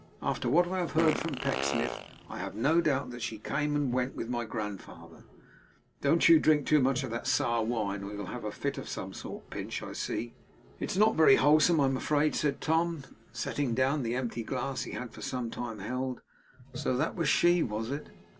'After what I have heard from Pecksniff, I have no doubt that she came and went with my grandfather. Don't you drink too much of that sour wine, or you'll have a fit of some sort, Pinch, I see.' 'It is not very wholesome, I am afraid,' said Tom, setting down the empty glass he had for some time held. 'So that was she, was it?